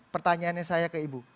pertanyaannya saya ke ibu